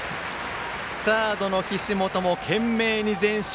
サードの岸本も懸命に前進。